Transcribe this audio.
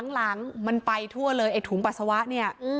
หลังมันไปทั่วเลยไอ้ถุงปัสสาวะเนี่ย